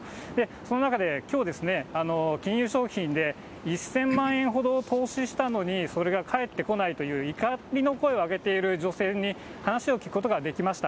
その中できょう、金融商品で１０００万円ほどを投資したのに、それが返ってこないという怒りの声を上げている女性に話を聞くことができました。